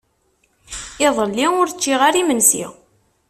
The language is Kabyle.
Iḍelli ur ččiɣ ara imensi.